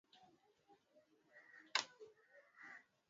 Dbeibah ambaye amekataa kukabidhi madaraka kwa Fathi Bashagha